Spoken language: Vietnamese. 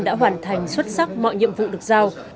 đã hoàn thành xuất sắc mọi nhiệm vụ được giao